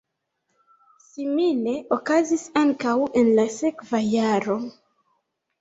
Simile okazis ankaŭ en la sekva jaro.